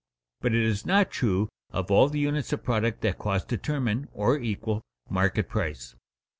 But it is not true of all the units of product that costs determine, or equal, market price.